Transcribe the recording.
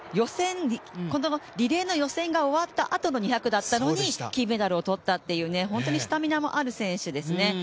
このリレーの予選が終わったあとの２００だったのに金メダルをとったという本当にスタミナもある選手です。